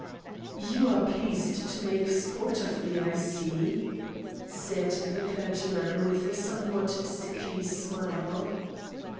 "You are pleased to make sport of me, I see," said the clergyman with a somewhat sickly smile.